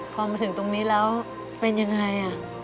พอมาถึงตรงนี้แล้วเป็นยังไง